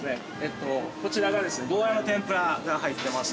◆こちらが、ゴーヤの天ぷらが入っています。